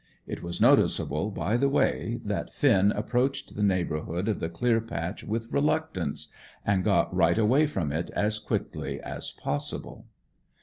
It was noticeable, by the way, that Finn approached the neighbourhood of the clear patch with reluctance, and got right away from it as quickly as possible.